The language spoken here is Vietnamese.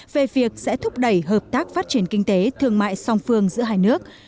về việc sẽ thúc đẩy hợp tác phát triển kinh tế thương mại song phương giữa hai nước